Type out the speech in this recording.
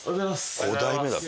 ５代目だって。